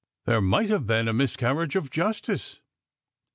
There might have been a miscarriage of justice."